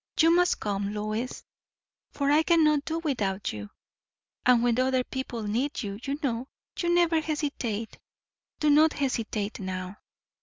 You must come, Lois, for I cannot do without you; and when other people need you, you know, you never hesitate. Do not hesitate now."